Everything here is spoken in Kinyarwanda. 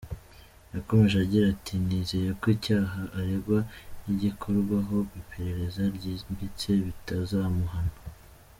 Yakomeje agira ati “Nizeye ko icyaha aregwa nigikorwaho iperereza ryimbitse bitazamuhama.